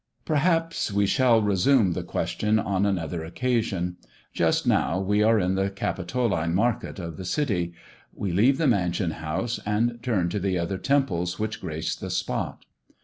Perhaps we shall resume the question on another occasion. Just now we are in the capitoline market of the city. We leave the Mansion house, and turn to the other temples which grace the spot.